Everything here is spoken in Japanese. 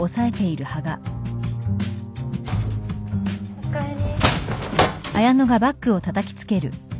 ・おかえり